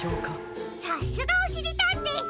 さすがおしりたんていさん！